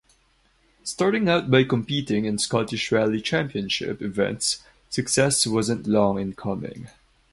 Starting out by competing in Scottish Rally Championship events, success wasn't long in coming.